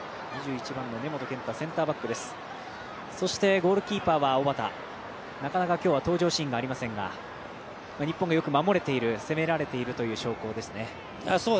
ゴールキーパーは小畑なかなか、今日は登場シーンがありませんが日本がよく守れている、攻められているという証拠ですね。